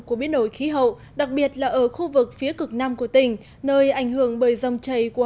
của biến đổi khí hậu đặc biệt là ở khu vực phía cực nam của tỉnh nơi ảnh hưởng bởi dòng chảy của